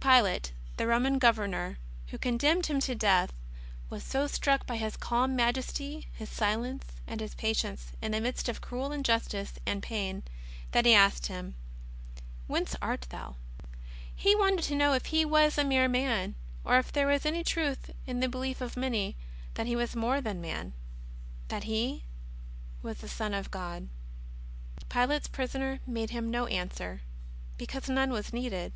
Pilate, the Roman Governor who condemned Him to death, was so struck by His calm majesty, His silence, ^ and His patience in the midst of cruel injustice and pain, that he asked Him :" Whence art Thou ?" He wanted to know if He was a mere man, or if there was anv truth in the belief of manv, that He was more than Man, that He was the Son of God. Pilate's Prisoner made him no answer, because none was needed.